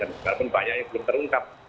kemudian sekalipun banyaknya belum terungkap